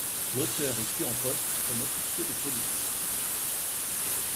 L'auteur y fut en poste comme officier de police.